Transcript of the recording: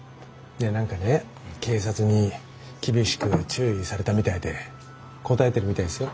いや何かね警察に厳しく注意されたみたいでこたえてるみたいですよ。